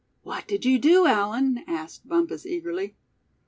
"What did you do, Allan?" asked Bumpus, eagerly.